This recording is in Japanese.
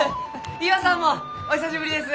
岩さんもお久しぶりです！